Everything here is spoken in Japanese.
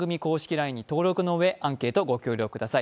ＬＩＮＥに登録のうえ、アンケート、ご協力ください。